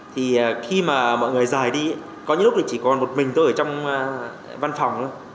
thì khi mà mọi người rời đi có những lúc thì chỉ còn một mình tôi ở trong văn phòng thôi